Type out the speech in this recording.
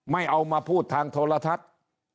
ไม่เอามาพูดทางโทรทัศน์